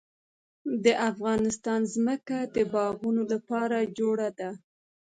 د افغانستان ځمکه د باغونو لپاره جوړه ده.